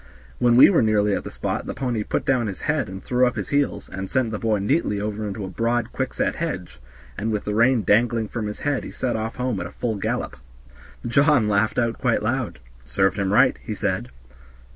When we were nearly at the spot the pony put down his head and threw up his heels, and sent the boy neatly over into a broad quickset hedge, and with the rein dangling from his head he set off home at a full gallop. John laughed out quite loud. "Served him right," he said.